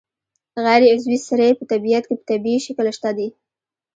غیر عضوي سرې په طبیعت کې په طبیعي شکل شته دي.